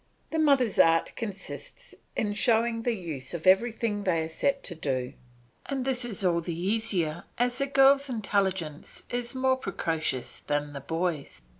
The mother's art consists in showing the use of everything they are set to do, and this is all the easier as the girl's intelligence is more precocious than the boy's.